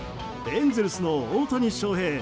エンゼルスの大谷翔平。